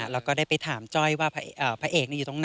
แล้วก็ได้ไปถามจ้อยว่าพระเอกอยู่ตรงไหน